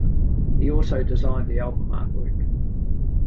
He also designed the album artwork.